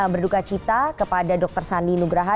berdukacita kepada dokter sandi nugraha